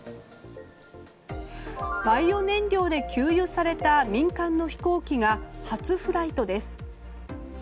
バイオ燃料で給油された民間の飛行機が初フライトです。